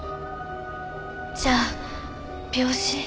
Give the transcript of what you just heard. じゃあ病死？